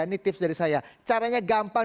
ini tips dari saya caranya gampang